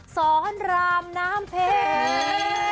สอนรามน้ำเพชร